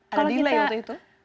ada delay waktu itu